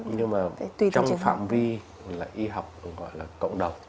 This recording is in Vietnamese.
nhưng mà trong phạm vi y học gọi là cộng đồng